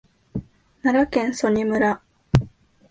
奈良県曽爾村